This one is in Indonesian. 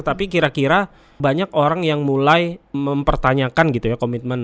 tapi kira kira banyak orang yang mulai mempertanyakan gitu ya komitmen